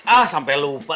ah sampai lupa